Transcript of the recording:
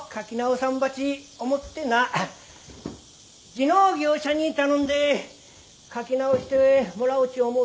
地の業者に頼んで書き直してもらおち思う